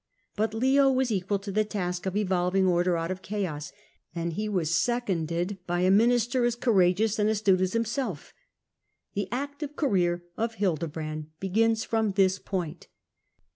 But Leo was equal to the task of evolving order out of chaos, and he was seconded by a minister as courageous and astute as himself. The active career of Hildebrand begins &om this point.